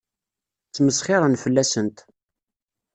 Ttmesxiṛen fell-asent.